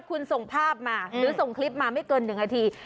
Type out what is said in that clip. คุณส่งภาพมาหรือส่งคลิปมาไม่เกิน๑นาที